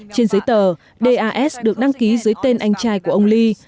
trên giấy tờ das được đăng ký dưới tên anh trai của ông lee